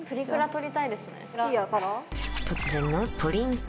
撮ろう突然のプリント